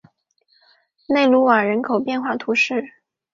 贝卢瓦人口变化图示